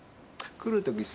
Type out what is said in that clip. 来る時さ。